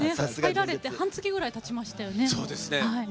入られて半月ぐらい立ちましたよね。